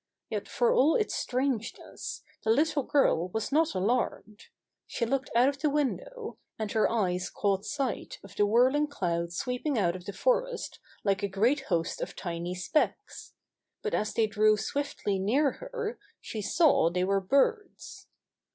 Yet for all its strangeness, the little girl was not alarmed. She looked out of the window, and her eyes caught sight of the whirling cloud sweeping out of the forest like a great host of tiny specks. But as they drew swiftly near her, she saw they were birds.